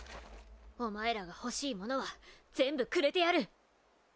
お前らがほしいものは全部くれてやる。